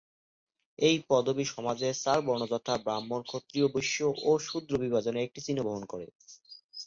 এই পদবী সমাজের চার বর্ণ যথা- ব্রাহ্মণ, ক্ষত্রিয়, বৈশ্য ও শূদ্র বিভাজনের একটি চিহ্ন বহন করে।